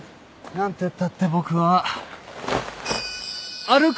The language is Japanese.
何てったって僕は歩く